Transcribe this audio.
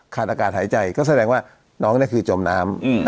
อากาศหายใจก็แสดงว่าน้องเนี่ยคือจมน้ำ